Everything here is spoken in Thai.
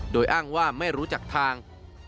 โดยอ้างว่าไม่รู้จักทาง